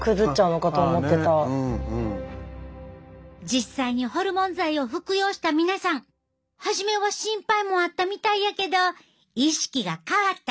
実際にホルモン剤を服用した皆さん初めは心配もあったみたいやけど意識が変わったそうやで！